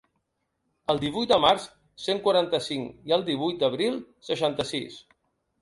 El divuit de març, cent quaranta-cinc, i el divuit d’abril, seixanta-sis.